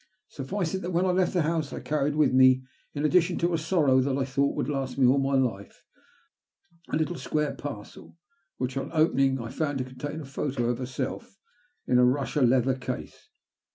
Suffice it that when I left the house I carried with me, in addition to a sorrow that I thought would last me all my life, a little square parcel which, on opening, I found to con tain a photo of herself in a Eussia leather case.